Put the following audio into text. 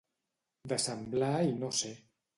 De semblar i no ser.